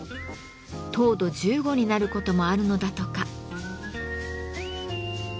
糖度１５になることもあるのだとか。